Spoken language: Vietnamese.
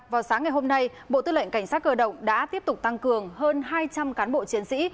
vào sáng ngày hôm nay bộ tư lệnh cảnh sát cơ động đã tiếp tục tăng cường hơn hai trăm linh cán bộ chiến sĩ